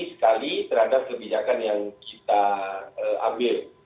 sekali terhadap kebijakan yang kita ambil